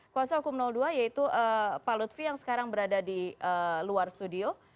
kuasa hukum dua yaitu pak lutfi yang sekarang berada di luar studio